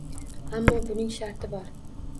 Ammo... buning sharti bor!!!